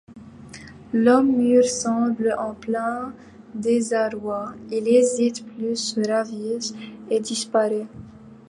L'homme mûr semble en plein désarroi, il hésite, puis se ravise et disparaît.